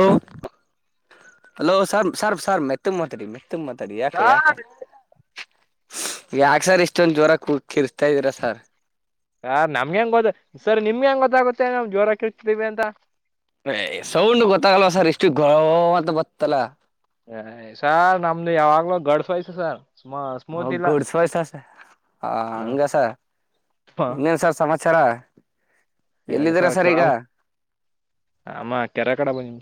Hello hello sir sir sir ಮೆತ್ತ ಮಾದರಿ ಮೆತ್ತ ಮಾದರಿ ಯಾಕ ಯಾಕ ಯಾಕ ಸರ್ ಇಷ್ಟೊಂದ ಜ್ವರ ಕಿರ್ಸ್ತಾ ಇದೀರ ಸರ್ ಹಾ ನಮ್ಗೆ ಹೆಂಗ ಗೊತ್ತ ಸರಿ ನಿಮ್ಗೆ ಹೆಂಗ ಗೊತ್ತಾಗುತ್ತೆ ನಾವ್ ಜೋರಕ ಇರ್ತೀವಿ ಅಂತ ಸೌಂಡ್ ಗೊತ್ತಾಗಲ್ವ ಸರ್ ಇಷ್ಟು ಗೋ ಅಂತ ಬತ್ತಲ್ಲ ಹ ಸಾರ್ ನಮ್ದು ಯಾವಾಗ್ಲೂ ಗಡ್ಸಯ್ತ ಸಾರ್ ಹ ಗಡ್ಸ್ ವಯಸಸ ಹ ಹಂಗಸ ಇನ್ನನ್ಸರ್ ಸಮಸೆ ಚರ ಎರಡ್ ಸಾವಿರ ಅಮ್ಮ ಕೆರೆ ಕಡೆ ಬಂದ ನಿಮ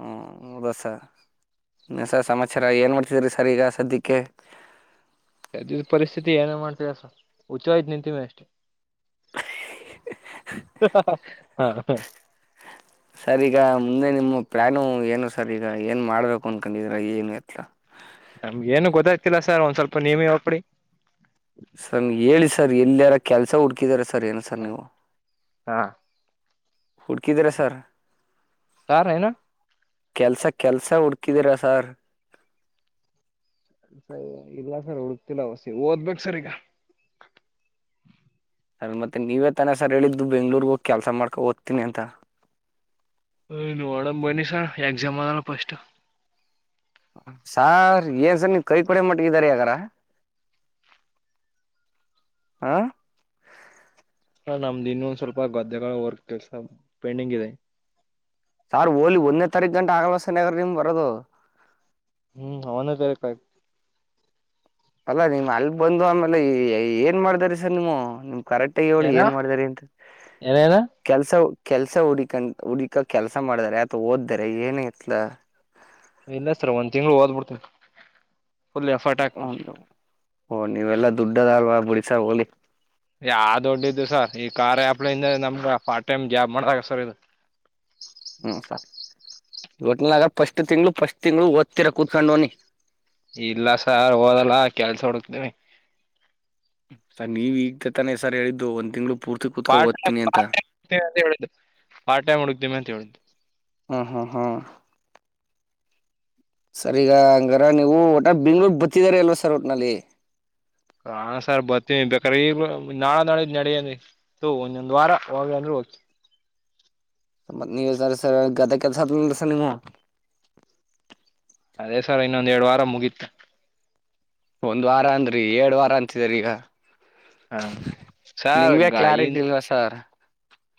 ಹ್ಮ ಹದಸಸ ಸಮಾಚಾರ ಏನ್ ಮಾಡ್ತಿದ್ರರಿ ಸರ್ ಈಗ ಸದ್ಯಕ್ಕೆ ಸದ ಪರಿಸ್ಥಿತಿ ಏನ ಮಾಡ್ತೀರಸ ಹುಚ್ಚ ಆಯ್ತು ನಿಂತೀಮಿ ಅಷ್ಟೇ ಹ ಸರ್ ಈಗ ಮುಂದೆ ನಿಮ್ಮ ಪ್ಲಾನು ಏನು ಸರ್ ಈಗ ಏನ್ ಮಾಡ್ಬೇಕು ಅನ್ಕೊಂಡಿದ್ರ ಏನು ಎತ್ಲ ನಮ್ಗೆ ಏನು ಗೊತ್ತಾಗ್ತಿಲ್ಲ ಸರ್ ಒಂದ್ ಸ್ವಲ್ಪ ನೀವ ಹೋಗಪಡಿ ಸರ್ ಹೇಳಿ ಸರ್ ಎಲ್ಲಿಾರ ಕೆಲ್ಸ ಹುಡ್ಕಿದಾರ ಸರ್ ಸರಿನು ಸರ್ ನಿವ ಹಾ ಹುಡ್ಕಿದಿ್ರ ಸರ್ ಸಾರ ನಾ ಕೆಲ್ಸ ಕೆಲ್ಸ ಹುಡ್ಕಿದಿರಾ ಸಾರ್ ಸರಿ ಇಲ್ಲ ಸರ್ ಹುಡುಕ್ತಿಲ್ಲ ಹೊಸ ಓದ್ಬೇಕ ಸರ್ ಈಗ ಸರ್ ಮತ್ತೆ ನೀವೇ ತನ ಸರ್ ಹೇಳಿದ್ದು ಬೆಂಗ್ಳೂರ್ಗ ಹೋಗಿ ಕೆಲ್ಸ ಮಾಡ್ಕೋ ಓದ್ತೀನಿ ಅಂತ ಹ ಒಡ ಬನ್ನಿ ಸರ್ ಎಕ್ಸಾಮ್ ಆದಲ್ಲ ಫಸ್ಟ್ ಸಾರ್ ಏನ್ ಸರ್ ನೀ ಕೈ ಕೊಡ ಮಟ್ಟಗಿದಾರ ಯಗಾರ ಹಾ ಹಾ ನಮ್ದು ಇನ್ನೊಂದ್ ಸ್ವಲ್ಪ ಗದ್ದೆಗಳ ವರ್ಕ್ ಕೆಲ್ಸ ಪೆಂಡಿಂಗ್ ಇದೆ ಸಾರ್ು ಹಓಲಿ ಒಂದನೇ ತಾರೀು ಗಂಟ ಆಗವಸ್ನಗ್ರ ನಿಮ್ ಬರೋದು ಹ್ಮ್ ಹನು ತರೆಕಾಯ ಅಲ್ಲಾ ನಿಮ್ ಅಲ್ ಬಂದು ಆಮೇಲೆ ಏನ್ ಮಾಡ್ದಾರಿ ಸರ್ ನೀವು ಕರೆಕ್ಟ್ಗಿ ಹೇಳಿ ಏನ ಏನ್ ಮಾಡಿದಾರ ಅಂತ ಏನೇನು ಕೆಲ್ಸ ಕೆಲ್ಸ ಹುಡಿಕನ್ ಹುಡಕ ಕೆಲ್ಸ ಮಾಡಿದಾರ ಅಥವಾ ಓದ್ದಾರೆ ಏನತ್ಲ ಇಲ್ಲ ಸರ್ ಒಂದ್ ತಿಂಗಗಳು ಓದ್ ಬಿಿಡ್ತನ ಒಂದು ಹಓ ನೀವೆಲ್ಲಾ ದುಡ್ಡದ ಹಲ್ವ ಬಿಡ ಸಗಲಿಿ ಯಾವ ದೊಡ್ಡ್ದು ಸರ್ ಈ ಕಾರಾರ್ ಹಾಪ್ಳಿಂದ ನಮ್ಗ ಪಫಾರ್ಟ್ ಟೈಮ್ ಜಾಬ್ ಮಾಡಾಗ ಸರ್ ಇದು ಹ್ಮ್ ಸ ಇಟ್ಿನಾಗ ಫಸ್ಟ್ ತಿಂಗ್ಳ ಫಸ್ಟ್ ತಿಂಗ್ಳ ಓದ್ತಿೀರ ಕೂತ್ಕೊಂಡ ಹೋಗನಿ ಇಲ್ಲ ಸರ್ ಹೋದಲ್ಲ ಕೆಲ್ಸ ಹುಡುಕ್ತೇವಿ ಸರ್ ನೀವ ಈಗ್ದ ತಾನೆ ಸರ್ ಹೇಳಿದ್ದು ಒಂದ್ ತಿಂಗ್ಗಳು ಪೂರ್ತಿ ಕೂತ್ಕೊ ಪಾಟ್ ಓದ್ತೀನಿ ಅಂತ ಅ ಹೇಳು ಪಾ ಟೈಮ್ ಹುಡುಕ್ತೀವಿಿ ಅಂತ ಹೇಳಿದ್ದು ಹಾ ಹಾ ಹಾ ಸರಿ ಈಗ ಹಂಗಾರ ನೀವು ಒಟ ಬೆಂಗ್ಳೂರ್ ಬತಿದಾರ ಅಲ್ವ ಸರ್ ಊಟ್ನಲ್ಲಿ ಹ ಸರ್ ಬರ್ತೀನಿ ಬೇಕ್ರ ಈ ನಾಳ ನಾಡ್ ನಡ ತ ಒಂದೊಂದ್ ವಾರ ಹೋಗ ಅಂದರು ಹೋಗ್ತ ಸಂಂಬತ್ ನೀವ ಸರ ಸರ್ ಗದೆ ಕೆಲ್ಸ ಆಲ್ ಸ ನಿಮ್ಮಾ ಅದೇ ಸರ್ ಇನ್ನೊಂದ ಎರಡ್ ವಾರ ಮುಗೀತ ಒಂದ್ ವಾರ ಅಂದ್ರಿ ಏಡ್ ವಾರ ಅಂತಿದಾರ ಈಗ ಹ ಸರ್ ನಿಮ್ಗೆ ಈ ಕ್ಲಾರಿಟಿ ಇಲ್ವಾ ಸರ್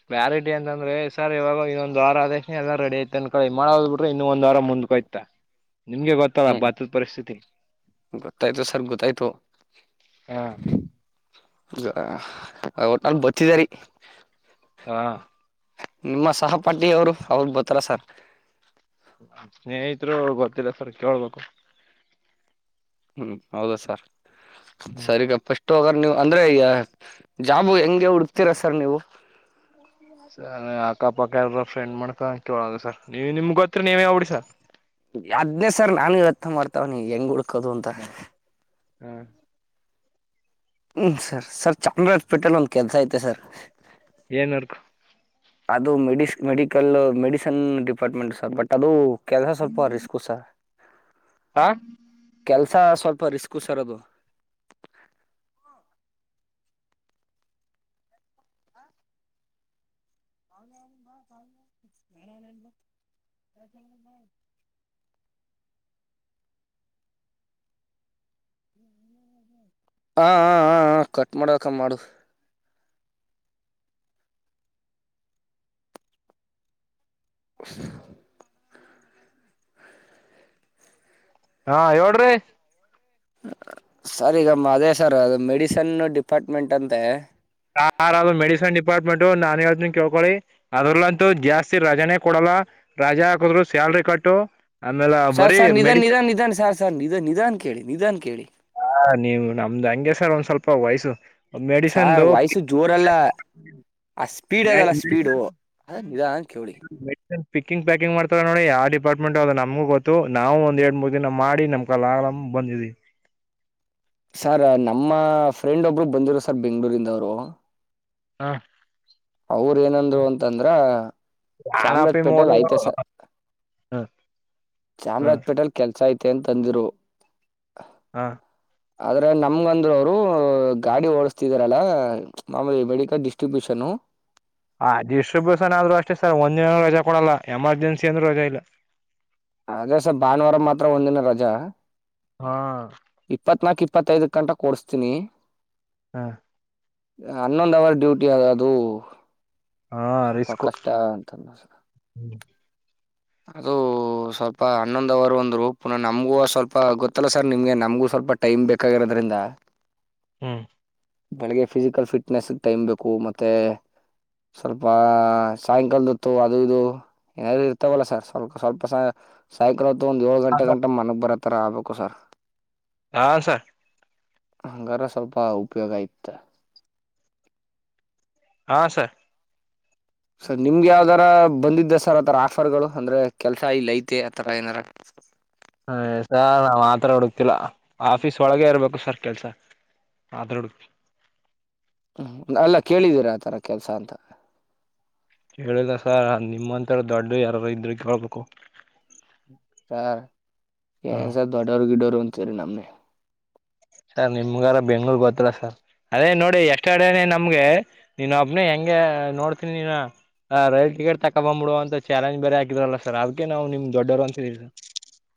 ಕ್ಲಾರಿಟಿ ಅಂತಂದ್ರೆ ಸರ್ ಇವಾಗ ಇನ್ನೊಂದ್ ವಾರ ಆದದ ಎಲ್ಲಾ ರೆಡಿ ಐ್ತ ಅನ್ಕಳಿ ಮಾಡ್ ಬಿಟ್ರೆ ಇನ್ನು ಒಂದ್ ವಾರ ಮುಂದ್ಕೋಯ್ತ. ನಿಮ್ಗೆ ಗೊತ್ತಲ್ಲ ಹ್ಮ್ ಭತ್ತದ ಪರಿಸ್ಥಿತಿ ಗೊತ್ತಾಯ್ತು ಸರ್ ಗೊತ್ತಾಯ್ತು ಹಾ ಹ ಒಟ್ ನಲ್ ಬತ್ತಿದರಿ ಹಾ ನಿಮ್ಮ ಸಹಪಾಠಿ ಅವರು ಅವಾಗ ಬೊತ್ತಾರ ಸರ್ ಸ್ನೇಹಿತರು ಗೊತ್ತಿಲ್ಲ ಸರ್ ಕೇಳ್ಬೇಕು ಹ್ಮ್ ಹೌದ ಸರ್ ಹ್ಮ್ ಸರಿಗಪ್ಪ ಟ್ಟ ಹೋಗ ನೀವು ಅಂದ್ರೆ ಈ ಜಾಬು ಹೆಂಗೆ ಹುಡುಕ್ತೀರ ಸರ್ ನೀವು ಸ ಅಕ್ಕಪಕ್ಕ ಎಲ್ ಫ್ರೆಂಡ್ ಮಾಡ್ಕ ಕೇಳದು ಸರ್ ನೀವ ನಿಮ್ಗ ಗತ್ರಿ ನೀವೇ ಹೋಗಬಡಿ ಸರ್ ಯದ್ನೇ ಸರ್ ನಾನು ಇವತ್ತ ಮಾಡ್ತವ ನೀ ಹೆಂಗ್ ಹುಡುಕ ಕದಂದ ಹ್ಮ್ ಹ್ಮ ಸರ್ ಸರ್ ಚಾಮರಾಜಪೇಟೆೆಯಲ್ಲಿ ಒಂದ್ ಕೆಲ್ಸ ಐತೆ ಸರ್ ಏನ್ ಅರ್ಕು ಅದು ಮೆಡ medical medicine department sir but ಅದು ಕೆಲಸ ಸ್ವಲ್ಪ ರಿಸ್ಕು ಸರ್ ಹಾ ಕೆಲ್ಸ ಸ್ವಲ್ಪ ರಿಸ್ಕ್ ಸರೋದು ಹ್ಮ್ಮ್. ಹ ಕಟ್ ಮಾಡಕ ಮಾಡು ್ ಹಾ ಹೇಳಳ್ರಿ ಸರ್ ಈಗ ಅದೇ ಸರ್ ಅದು ಮೆಡಿಸನ್ ಡಿಪಾರ್ಟ್ಮೆಂಟ್ ಅಂತೆ ಯಾರ ಮೆಡಿಸನ್ ಡಿಪಾರ್ಟ್ಮೆಂಟ್ು ನಾನ ಹೇಳನ್ ಕೇಳ್ಕೊಿ ಅದ್ರಲಂತೂ ಜಾಸ್ತಿ ರಜೆಾನೇ ಕೊಡಲ್ಲ ರಜೆ ಹಾಕದ್ರು ಸ್ಯಾಲ್ರಿ ಕಟ್ಟು ಆಮೇಲೆ ಸರ್ ಬರೀ ಸರ್ ನಿಧಾನ ಮೆಡಿಸನ್ ನಿಧಾನ ನಿಧನ್ ಸರ್ ಸರ್ ನಿಧ ನಿಧಾನ ಕೇಳಿ ನಿಧಾನ ಕೇಳಿ ಹಾ ನೀವು ನಮ್ದ್ ಹಂಗೆಸರ್ ಒಂದ್ ಸ್ವಲ್ಪ ವಯಸ್ಸು ಸಾರ್ ಮೆಡಿಸನ್ದು ವಯಸು ಜೋರಲ್ಲ ಆ ಸ್ಪೀಡ್ ಅದಲ್ಲ ಸ್ಪೀಡು ಾ [inaudible] ಪಿಕ್ಕಿಂಗ್ ಪ್ಯಾಕಿಂಗ್ ಮಾಡ್ತಾರ ನೋಡ್ರ ಯಾವ್ ಡಿಪಾರ್ಟ್ಮೆಂಟ್ ಅ ನಮ್ಗು ಗೊತ್ತು ನಾವು ಒಂದ್ ಎರಡ್ ಮೂರ್ ದಿನ ಮಾಡಿ ನಮ್ ಕಲ್ ಬಂದಿದವಿ ಸರ್ ನಮ್ಮ ಫ್ರೆಂಡ ಒಬ್ರು ಬಂದಿರು ಸರ್ ಬೆಂ್ಗಳೂರಿಂದವರು ಹಾ ಅವ್ರ ಏನಂದ್ರು ಅಂತಂದ್ರ ಚಾಮರಾಜ ನಾನಪಿ ಮೋದ ಪೇಟೆಲ್ ಆಯ್ತೆಸ ಚಾಮರಾಜ ಪೇಟೆಲ್ ಕೆಲ್ಸ ಆಯ್ತ ತ್ತನ್ ತಂದಿರು ಹಾ ಆದ್ರೆ ನಮ್ಗ ಅಂದ್ರು ಅವರು ಗಾಡಿ ಓಡಸ್ತಿದಾರಲ್ಲ ಮಾಮೂಲಿ ಮಡಿಕಲ್ ಡಿಸ್ಟ್ರಿಬ್ಯೂಷನ್ ಅದಿಷ್ಟಬ್ ಸನ ಆದ್ರು ಅಷ್ಟೇ ಸರ್ ಒಂದ ರಜಾ ಕೊಡಲ್ಲ ಎಮರ್ಜೆನ್ಸಿ ಅಂದ್ರರು ರಜಾ ಇಲ್ಲ ಅದೇಸ ಭಾನುವಾರ ಮಾತ್ರ ಒಂದಿನ ರಜಾ ಹಾ ಇಪ್ಪತ್ತೈದು ಗಂಟ ಕೊಡಸ್ತೀನಿ ಹಾ ಹನ್ನೊಂದ್ ಅವರ್ ಡ್ಯೂಟಿ ಅದದು ಹಾ ರರಿ್ಕು ಅದು ಸ್ವಲ್ಪ ಹನ್ನೊಂದು ಅವರು ಅಂದರು ಪುನಃ ನಮಗೂ ಸ್ವಲ್ಪ ಗೊತ್ತಲ್ಲ ಸರ್ ನಿಮಗೆ ನಮಗೂ ಸ್ವಲ್ಪ ಟೈಮ್ ಬೇಕಾಗಿರೋದ್ರಿಂದ ಹ್ಮ್ ಬೆಳಿಗ್ಗೆ ಫಿಸಿಕಲ್ ಫಿಟ್ನೆಸ್ ಟೈಮ್ ಬೇಕು ಮತ್ತೆ ಸ್ವಲ್ಪ ಸಾಯಂಕಾಲದತ್ತು ಅದು ಇದು ಏನ ಇ ಲ್ಲ ಸರ್ ಸ್ವಲ್ಪ ಸ್ವಲ್ಪ ಸಾಯಂಕಾಲ ಒಂದು ಏಳ ಗಂ ಗಂಟ ಮನಗ್ ಬರೆ ತ್ತರಬಬೇಕು ಸರ್ ಹಾ ಸ ಹಂಗಾರ ಸ್ವಲ್ಪ ಉಪಯೋಗ ಇತ ಹಾ ಸರ್ ಸರ್ ನಿಮ್ಗೆ ಯಾವ್ದಾರ ಬಂದಿದ್ದೆ ಸರ್ ಆಥರ ಆಫರ್ ಗಳು ಅಂದ್ರೆ ಕೆಲ್ಸ ಇಲ್ಲ ಐತೆ ಆತರ ಏನಾರ ಹ ಸ ನಾವ್ ಮಾತ್ರ ಹುಡುಕ್ತಿಲ್ಲ ಆಫೀಸ್ ಒಳಗ ಇರ್ಬೇಕು ಸರ್ ಕೆಲ್ಸ ಮಾತ್ರ ಹುಡುಕ್ತಿ ಹ್ಮ ಅಲ್ಲ ಕೇಳಿದೀರ ಆತರ ಕೆಲ್ಸ ಅಂತ ಕೇಳಿಲ್ಲ ಸಾರ್ ನಿಮ್ಮಂಂತರ ದೊಡ್ಡ ಯಾರಾರ ಇದ್ರೂ ಕೇೇಳಳ್ಬೇಕು ಸ ಎನ್ಸ ದೊಡ್ಡರು ಗಿಡೋರು ಸರಿ ನಮ್ಮೆ ಸರ್ ನಿಮ್ಗಾರ ಬೆಂಗ್ಳೂರ್ ಗೊತ್ತಿಲ್ಲ ಸರ್ ಅದೇ ನೋಡಿ ಎಷ್ಟ ಅಡೆನೆ ನಮ್ಗೆ ನೀನ್ ಒಪ್ನ ಹೆಂಗ ನೋಡ್ತೀನಿ ನೀ ರೈಲ್ ಟಿಕೆಟ್ ತಕೊ ಬಂದ್ಬಿಡುುವ ಅಂತ ಚಾಲೆಂಜ್ ಬೇರೆ ಹಾಕಿದ್ರಲ್ಲ ಸರ್ ಅದಕ ನಾವು ನಿಮ್ ದೊಡ್ಡವರು ಅಂತಿದೀವಿ ಸರ್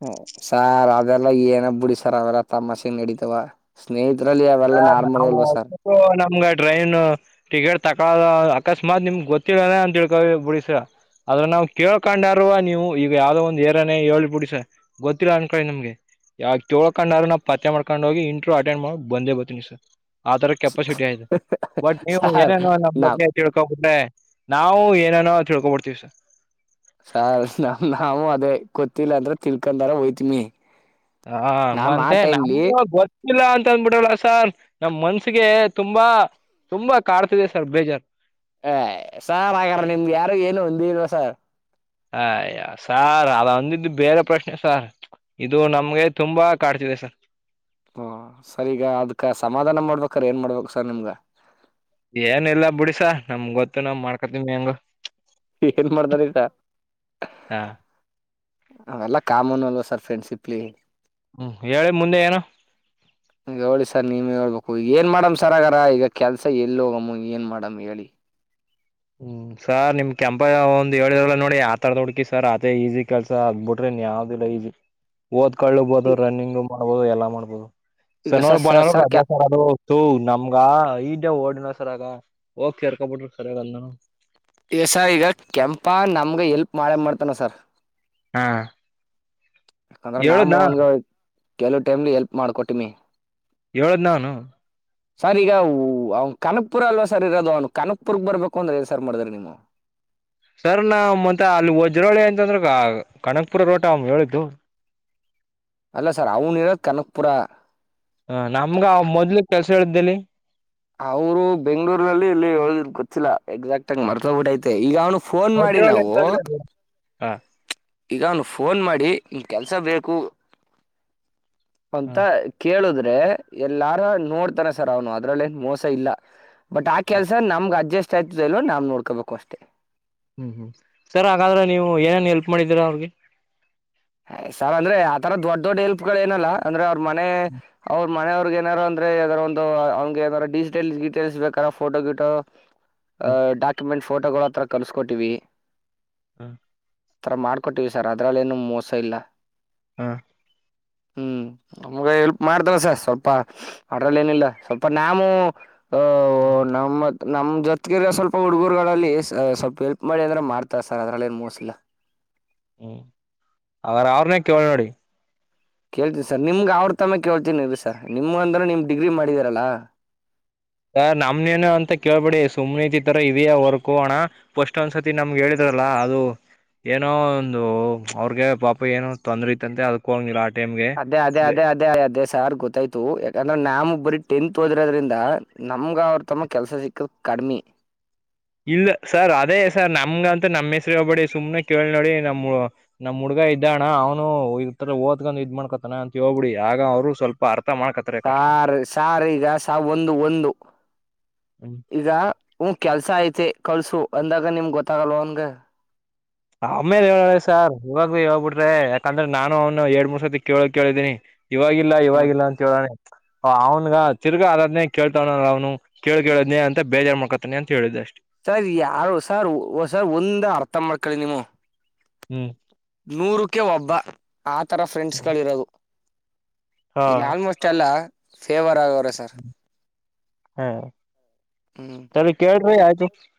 ಹ ಸಾರ್ ಅದೆಲ್ಲ ಏನ ಬಿಡಿ ಸರ್ ಅವೆಲ್ಲ ತಮ್ಮಸಿ ನಡಿತವ ಸ್ನೇಹಿತ ನಾವು ನಮ್ಗ ಟ್ರೈನ್ ಟಿಕೆಟ್ ತಕಳ ಅಕಸ್ಮಾತ್ ನಿಮ್ಗೆ ಗೊತ್ತಿಲ್ಲ ಅಂತಳ್ಕ ಬಿಡಿ ಸರ್ ಆದ್ರ ನಾವು ಕೇಳ್ಕೊಂಡಾರ ನೀವು ಈಗ ಯಾವ್ದೋ ಒಂದು ಏರನೆೇ ಹೇಳಿ ಬಿಡಿ ಸರ್ ಗೊತ್ತಿಲ್ಲ ಅನ್ಕಿ ನಿಮ್ಗೆ ಯಾವ ಕೇಳ್ಕೊಂಡ್ರು ನಾವು ಪತ್ತೆ ಮಾಡ್ಕೊಂಡ್ ಹೋಗಿ ಇಂಟ್ರ್ ಅಟೆಂಡ್ ಮಾಡ ಬಂದೇ ಬತ್ತ ನೀ ಸರ್ ಆದರ ಕೆಪಾಸಿಟಿ ಆಯ್ತು ಬಟ್ ನೀವು ಸಾರ್ ಏನೇನುೋ ನಮ್ ನಾ ಬಗ್ಗೆ ತಿಳ್ಕೋಬುದ್ರೆ ನಾವು ಏನನೋ ತಿಳ್ಕೊಬಡ್ತೀವಿ ಸ ಸ ನಮ ನಾವು ಅದೇ ಗೊತ್ತಿಲ್ಲ ಅಂದ್ರ ತಿಳ್ಕೊಂಡಾರ ಹೋಯ್ತಮಿ ಹ ನಾಮ್ ಆ ಮಂತೆ ನ ಟೈಮ್ಲಿ ಗೊ ಲ್ಲ ಅಂತ ಅಂದ್ಬಿಡಲ್ಲ ಸರ್ ನಮ್ ಮನ್ಸಗೆ ತುಂಬಾ ತುಂಬಾ ಕಾಡ್ತದೆ ಸರ್ ಬೇಜಾರ್ು ಹ ಸಾರ್ ಹಾಗಾರ ನಿಮ್ಗೆ ಯಾರು ಏನು ಹೊಂದ ಇಲ್ವಾ ಸಾರ್ ಅಯ್ಯೋ ಸಾರ್ ಆದಂದಿದ್ದು ಬೇರೆ ಪ್ರಶ್ನೆ ಸಾರ್ ಇದು ನಮ್ಗೆ ತುಂಬಾ ಕಾಡ್ತಿದೆ ಸರ್. ಓ ಸರಿ ಈಗ ಅದ್ಕ ಸಮಾಧಾನ ಮಾಡ್ಬೇಕ್ರ ಏನ್ ಮಾಡ್ಬೇಕ ಸರ್ ನಿಮ್ಗ. ಏನ್ ಇಲ್ಲ ಬಿಡಿ ಸ ನಮಗೋತ್ತು ನಾವ್ ಮಾಡ್ಕೋತೀವಿ ಹೆಂಗೋ. ಏನ್ ಮಾಡ್ಕೋತಿರಾ ಹಾ ಅವೆಲ್ಲ ಕಾಮನ್ ಅಲ್ವ ಸರ್ ಫ್ರೆಂಡ್ಸಿಪ್. ಪ್ಲೀ. ಹ್ಮ್ ಹೇಳಿ ಮುಂದೆ ಏನು. ಇವಾಗ ಏನ್ ಮಾಡಮ್ ಸರ ಅಗಾರ ಈಗ ಕೆಲ್ಸ ಎಲ್ಲಿ ಹೋಗಮ್ಮ ಏನ್ ಮಾಡಮ ಹೇಳಿ. ಹ್ಮ್ ಸಾರ್ ನಿಮ್ ಕೆಂಪಯ್ಯಾ ಒಂದ್ ಏಳದ ನಲ್ಲ ನೋಡಿ ಆತರ್ದು ಹುಡ್ಕಿ ಸರ್ ಅದೇ ಈಜಿ ಕೆಲ್ಸ ಆಗ್ಬಿಟ್ರಿನ್ ಯಾವ್ದಿಲ್ಲ ಈಜಿ. ಓದ್ಕೊಳ್ಳಬಹುದು ರನ್ನಿಂಗ್. ಹೌದು ಎಲ್ಲ ಮಾಡ್ಬೋದು. ಈಗ ಶನಿವಾರ ಸರ್ ಸರ್ ಭಾನುವಾರ ರಜಾ ಸರ್ ಅದು ಅವತ್ತು ನಮ್ಗ ಐದು. ಓಡಿನ ಸರ್ ಆಗ ಹೋಗಿ ಸೇರ್ಕೊಬ ಬಿಡ್ರರು ಸರ್. ಹ. ಈಗ ಸ ಈಗ ಕೆಂಪ ನಮ್ಗೆ ಎಲ್ಪ್ ಮಾಡೇ ಮಾಡ್ತಾನ ಸಾರ್. ಹಾ. ಯಾಕಂದ್ರ ನಾ ಹೇಳದ್ನಾ ಮೋಹನ್ಗ. ಕೆಲವು ಟೈಮ್ಲಿ ಎಲ್ಪ್ ಮಾಡ್ಕೊಟಮಿ. ಹೇಳದ್ ನಾ ಅವ್ನು. ಸರ್ ಈಗ ಅವ್ನ ಕನಕ್ಪುರ ಅಲ್ವಾ ಸರ್ ಇರೋದು ಅವ್ನು ಕನಕ್ಪುರ್ಗ್ ಬರ್ಬೇಕು ಅಂದ್ರೆ ಏನ್ ಸರ್ ಮಾಡ್ದ್ರ ನೀವು. ಸರ್ ನಾ ಮತ್ತ ಅಲ್ಲಿ ವಜ್ರೋಳಿ ಅಂತಂದ್ರೆ ಕನಕ್ಪುರ ರೋಟ ಅವ್ನ ಹೇಳಿದ್ದು. ಅಲ್ಲ ಸರ್ ಅವನು ಇರದ ಕನಕ್ಪುರ. ಹ ನಮ್ಗ ಮೊದ್ಲು ಕೆಲ್ಸ ಹೇಳಿದ್ದೇಲ್ಲಿ. ಅವರು ಬೆಂಗ್ಗಳೂರ್ ನಲ್ಲಿ ಇಲ್ಲಿ ಹೋಗಿರೋದು ಗೊತ್ತಿಲ್ಲ ಎಕ್ಸಾಕ್ಟ್ ಆಗಿ ಮರ್ತೊಬಿಟ್ಟೈತೆ ಈಗ ಅವನು. ಫೋನ್ ಮಾಡಿ ನಾವು. ಹಾ. ಈಗ ಅವ್ನು ಫೋನ್ ಮಾಡಿ ಈ ಕೆಲ್ಸ ಬೇಕು. ಅಂತ ಕೇಳುದ್ರಿ. ಕೇಳ್ದ್ರೇ ಎಲ್ಲಾರ ನೋಡ್ತಾನ ಸರ್ ಅವನು ಅದ್ರಲ್ಲಿ ಏನ್ ಮೋಸ ಇಲ್ಲ. ಬಟ್ ಆ ಕೆಲ್ಸ ನಮ್ಗ್ ಅಡ್ಜಸ್ಟ್. ಆಗುತ್ತೋ ಇಲ್ವವೊ ನಾವು ನೋಡ್ಕೋಬೇಕು ಅಷ್ಟೇ. ಹ್ಮ್ ಹ್ಮ್ ಸರ್ ಹಾಗಾದ್ರೆ ನೀವು ಏನೇನು ಎಲ್ಪ್ ಮಾಡಿದ್ದೀರ ಅವ್ರಿಗೆ. ಹೇ ಸರ್ ಅಂದ್ರೆ ಆ ತರ ದೊಡ್ ದೊಡ್ಡ ಹೆಲ್ಪ್ ಗಳ ಏನಲ್ಲ ಅಂದ್ರ ಅವ. ಮನೆ ಅವ್ರು. ಮನೆಯವ್ರಿಗೆ ಏನಾರ ಅಂದ್ರೆ ಅವದಾದ್ರು ಒಂದು ಹಂಗೇ ಏನಾರ ಅಂದ್ರೆ ಡಿಜಿಟಲ್ ಡೀಟೇಲ್ಸ್ ಬೇಕಾರ ಫೋಟೋ ಗಿಟೋ. ಡಾಕ್ಯುಮೆಂಟ್. ಫೋಟೋಗಳು ಹತ್ರ ಕಲ್ಸ್ಕೊಟ್ಟಿವಿ. ಹಾ. ಆ ತರ ಮಾಡ್ಕೊಟ್ಟಿವಿ ಸರ್ ಅದ್ರಲ್ಲೇನು ಮೋಸ. ಇಲ್ಲಾ. ಹಾ ಹ್ಮ್ ನಮ್ಗ ಹೆಲ್ಪ್ ಮಾಡ್ದವಸ ಸ್ವಲ್ಪ ಅಡ್ರಲ್ಲಿ ಏನಿಲ್ಲ ಸ್ವಲ್ಪ ನನ್ಯಾಮು ಹ್ಮ್ ನಮ್ ಜೊತ್ಗಿರ ಸ್ವಲ್ಪ ಹುಡುಗರುಗಳಲ್ಲಿ ಸ್ವಲ್ಪ ಎಲ್ಪ್ ಮಾಡಿ ಅಂದ್ರೆ ಮಾಡ್ತಾರ ಸರ್ ಅದ್ರಲ್ಲಿ ಏನ್ ಮೂೋಸಿಲ್ಲ ಹ್ಮ್ ಅವಾರ ಅವ್ರನೆೇ ಕೇಳ ನೋಡಿ ಕೇಳ್ತೀನಿ ಸರ್ ನಿಮ್ಗೆ ಅವ್ರ ತಮ್ಮ ಕೇಳ್ತೀನಿ ನೀ ಸರ್ ನಿಮ ಅಂದ್ರ ನಿಮ್ ಡಿಗ್ರಿ ಮಾಡಿದೀರಲ್ಲಾ ಸ ನಮ್ನೇನು ಅಂತ ಕೇಳ್ಬೇಡಿ ಸುಮ್ನೆತಿ ತರ ಇವ ವರ್ಕು ಅಣ ಪಫಸ್ಟ್ ಒಂದ್ಸತಿ ನಮ್ಗೆ ಹೇಳಿದ್ರಲ್ಲ ಅದು ಏನೋ ಒಂದು ಅವ್ರಗೆ ಪಾಪ ಏನೋ ತೊಂದ್ರೆ ಇತ್ತಂತೆ ಅದಕ ಹೋಗಂಗಿಲ್ಲ ಆ ಟೈಮ್ಗೆ ಅದೇ ಅದೇ ಅದೇ ಅದೇ ಅದೇ ಸಾರ್ ಗೊತ್ತಾಯ್ತು ಯಾಕಂದ್ರೆ ನಾಮ್ಮ್ ಬರಿ ಟೆಂಟ್ ಓದಿರೋದ್ರಿಂದ ನಮ್ಗ ಅವ್ರ ತಮ್ಮ ಕೆಲ್ಸ ಸಿಕ್ಕದ ಕಡಿಮಿ ಇಲ್ಲ ಸರ್ ಅದೇ ಸರ್ ನಮ್ಗ ಅಂತ ನಮ್ಮ್ ಹೆಸ್ರ ಹೋಗ್ಬೇಡಿ ಸುಮ್ನೆ ಕೇಳ್ ನೋಡಿ ನಮ್ಮ ನಮ್ಮ ಹುಡ್ಗ ಇದ್ದಣ್ಣ ಅವನು ಈತರ ಓದ್ಕಂದ್ ಇದ್ ಮಾಡ್ಕೊತಾನ ಅಂತ ಹೇಳ್ಬಿಡಿ ಆಗ ಅವ್ರು ಸ್ವಲ್ಪ ಅರ್ಥ ಮಾಡ್ಕತಾರೆ ಕಷ್ಟ ಸರ್ ಸರ್ ಈಗ ಸ ಒಂದು ಒಂದು ಹ್ಮ ಈಗ ಹೂ ಕೆಲ್ಸ ಐತೆ ಕಳ್ಸು ಅಂದಾಗ ನಿಮ್ಗೆ ಗೊತ್ತಾಗಲ್ವ ಅವನ್ಗೆ ಆಮೇಲೆ ಹೇಳ ಸರ್ ಇವಾಗ ಹೇಳ್ಬಿಟ್ರೆ ಯಾಕಂದ್ರೆ ನಾನು ಅವನು ಎರಡ್ ಮೂರ್ ಸತಿ ಕೇಳೋಕ್ಕೆ ಹೇಳಿದೀನಿ ಇವಾಗಿಲ್ಲ ಇವಾಗಿಲ್ಲ ಅಂತ ಹೇಳೋನೇ ಅವ್ನ್ಗ ತಿರುಗಾ ಅದ್ನೇ ಅದ್ನೇ ಕೇಳ್ತವ್ಲ್ಲ ಅವ್ನು ಕೇಳ್ ಕೇಳದ್ನನೆ ಅಂತ ಬೇಜಾರ ಮಾಡಕತಾನೆ ಅಂತ ಹೇಳಿದ್ದೆ ಅಷ್ಟೆ ಸರ್ ಯಾರು ಸರ್ ಸರ್ ಒಂದ ಅರ್ಥ ಮಾಡ್ಕಳಿ ನೀವು ಹ್ಮ್ ನೂರುಕ್ಕೆ ಒಬ್ಬ ಆ ತರ ಫ್ರೆಂಡ್ಸ್ ಗಳ ಇರೋದು ಹಾ ಇಲ್ಲಿ ಆಲ್ಮೋಸ್ಟ್ ಎಲ್ಲ [unintelligible] ಅವ್ರ ಸರ್ ಹಾ ಹ್ಮ್ ಸರಿ ಕೇಳ್ರೀ ಆಯ್ತು [inaudible]